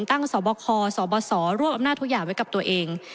สบคสบสรวบอำนาจทุกอย่างไว้กับตัวเอง